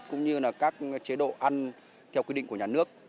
cũng như là các chế độ ăn theo quy định của nhà nước